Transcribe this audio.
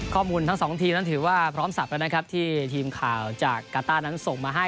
ข้อมูลทั้งสองทีมนั้นถือว่าพร้อมสับแล้วนะครับที่ทีมข่าวจากกาต้านั้นส่งมาให้